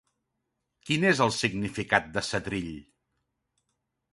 Quin és el significat de setrill?